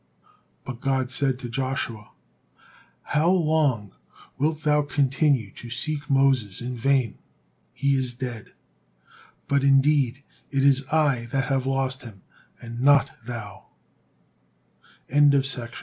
'" But God said to Joshua: "How long wilt thou continue to seek Moses in vain? He is dead, but indeed it is I that have lost hi